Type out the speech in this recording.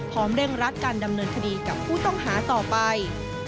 เร่งรัดการดำเนินคดีกับผู้ต้องหาต่อไป